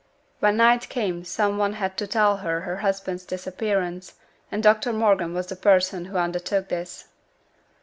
When night came some one had to tell her of her husband's disappearance; and Dr Morgan was the person who undertook this.